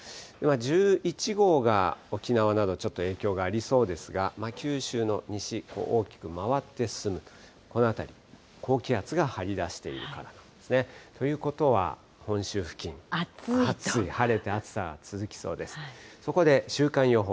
１１号が沖縄などちょっと影響がありそうですが、九州の西、大きく回って進む、この辺り、高気圧が張り出しているからなんですね。ということは、本州付近、暑い、晴れて暑さ続きそうです。